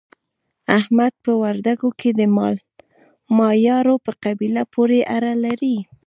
احمد په وردګو کې د مایارو په قبیله پورې اړه لري.